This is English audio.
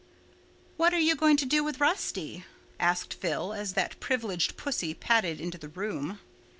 "What are you going to do with Rusty?" asked Phil, as that privileged pussy padded into the room.